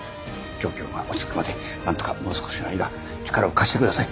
状況が落ち着くまで何とかもう少しの間力を貸してください